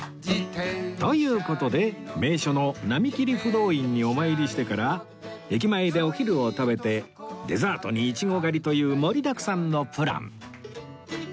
という事で名所の浪切不動院にお参りしてから駅前でお昼を食べてデザートにイチゴ狩りという盛りだくさんのプラン